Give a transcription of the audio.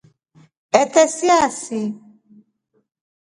Ate siasii.